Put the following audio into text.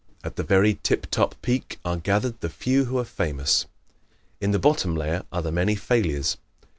At the very tip top peak are gathered the few who are famous. In the bottom layer are the many failures.